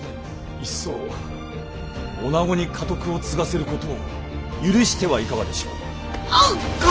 いっそ女子に家督を継がせることを許してはいかがでしょう。